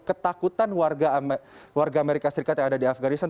ketakutan warga amerika serikat yang ada di afganistan